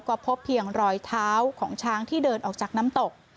ก็พบเพียงรอยเท้าของช้างที่เดินออกจากน้ำตก